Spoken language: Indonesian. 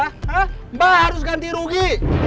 hah mbah harus ganti rugi